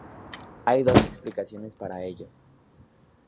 Hay dos explicaciones para ello.